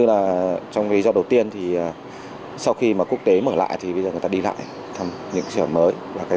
và trong lý do đầu tiên thì sau khi mà quốc tế mở lại thì người ta đi lại thăm những sản phẩm mới